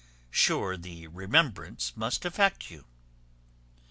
Sure the remembrance must affect you."